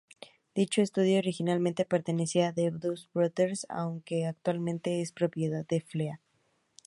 Dicho estudio, originalmente pertenecía a The Dust Brothers aunque actualmente es propiedad de Flea.